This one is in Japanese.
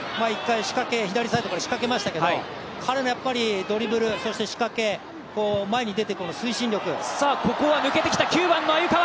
左サイドから仕掛けましたけど彼のドリブル、仕掛け前に出て推進力。